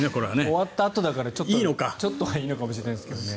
終わったあとだからちょっとはいいのかもしれないですけどね。